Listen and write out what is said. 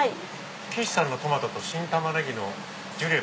「岸さんのトマトと新たまねぎのジュレ